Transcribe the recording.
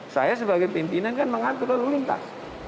saya sebagai pimpinan kan mengatur lalu lintas